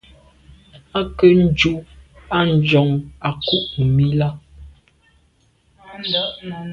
À ke njù à njon à ku’ num i là.